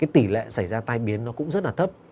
tỷ lệ xảy ra tai biến cũng rất thấp